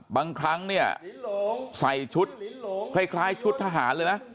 บางครั้งเนี่ยใส่ชุดคล้ายชุดทหารเลยนะ